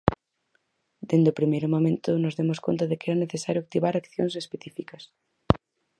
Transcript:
Dende o primeiro momento nos demos conta de que era necesario activar accións específicas.